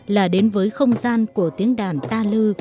là đến với không gian của tiếng đàn ta lư